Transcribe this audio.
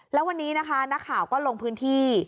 แล้ววันนี้นะคะนักข่าวก็ลงพื้นที่